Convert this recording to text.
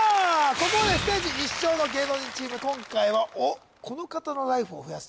ここまでステージ１勝の芸能人チーム今回はおっこの方のライフを増やすまあもう異論はないでしょう